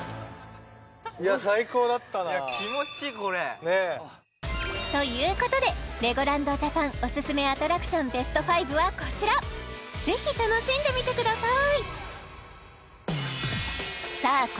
いや最高だったなということでレゴランド・ジャパンオススメアトラクションベスト５はこちらぜひ楽しんでみてください！